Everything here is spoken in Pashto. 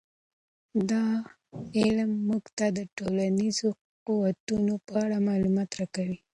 دا علم موږ ته د ټولنیزو قوتونو په اړه معلومات راکوي.